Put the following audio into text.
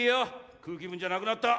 食う気分じゃなくなった。